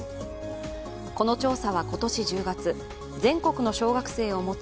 この調査は、今年１０月全国の小学生を持つ